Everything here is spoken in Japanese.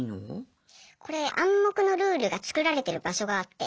これ暗黙のルールが作られてる場所があって。